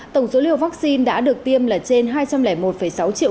tổng số liều vaccine đã được tiêm là trên hai trăm linh một sáu triệu